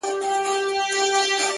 ځوان له ډيري ژړا وروسته څخه ريږدي،